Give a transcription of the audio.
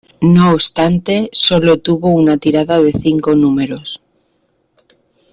No obstante, sólo tuvo una tirada de cinco números.